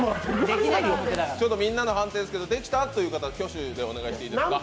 みんなの判定ですけど、できたという方は挙手でお願いしていいですか。